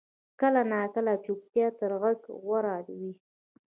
کله ناکله چپتیا تر غږ غوره وي.